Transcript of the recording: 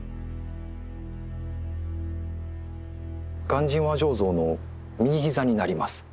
鑑真和上像の右膝になります。